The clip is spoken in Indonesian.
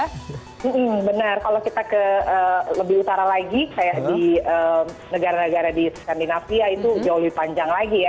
hmm benar kalau kita ke lebih utara lagi kayak di negara negara di skandinavia itu jauh lebih panjang lagi ya